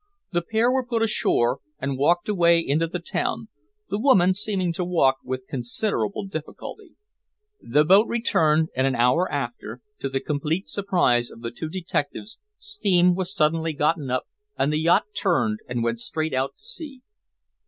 The pair were put ashore, and walked away into the town, the woman seeming to walk with considerable difficulty. The boat returned, and an hour after, to the complete surprise of the two detectives, steam was suddenly got up and the yacht turned and went straight out to sea."